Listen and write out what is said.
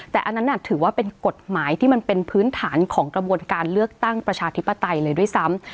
แต่อันนั้นถือว่าเป็นกฎหมายที่มันเป็นพื้นฐานของกระบวนการเลือกตั้งประชาธิปไตยเลยด้วยซ้ำ